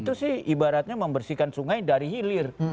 itu sih ibaratnya membersihkan sungai dari hilir